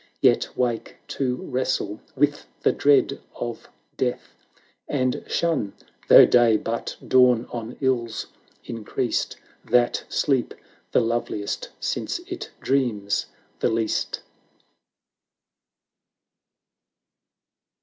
Yet wake to wrestle with the dread of Death. And shun — though Day but dawn on ills increased — That sleep, — the loveliest, since it dreams the least.